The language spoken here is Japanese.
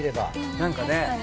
何かね。